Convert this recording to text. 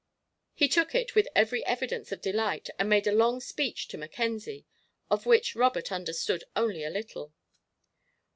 He took it with every evidence of delight and made a long speech to Mackenzie, of which Robert understood only a little.